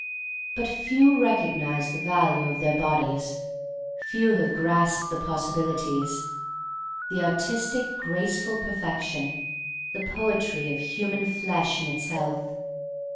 But few recognize the value of their bodies; few have grasped the possibilities, the artistic graceful per fection, the poetry of human flesh in its health.